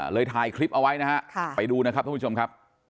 ถ่ายคลิปเอาไว้นะฮะไปดูนะครับทุกผู้ชมครับ